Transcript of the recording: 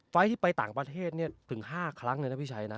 ไฟล์ที่ไปแต่งประเทศถึง๕ครั้งเนี่ยนะพี่ชัยนะ